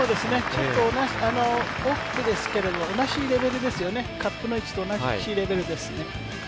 ちょっと奥ですけれど同じレベルですよね、カップの位置と同じレベルです。